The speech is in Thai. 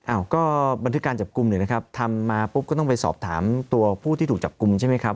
อ้าวก็บันทึกการจับกลุ่มเนี่ยนะครับทำมาปุ๊บก็ต้องไปสอบถามตัวผู้ที่ถูกจับกลุ่มใช่ไหมครับ